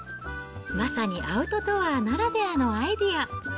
まさにアウトドアならではのアイデア。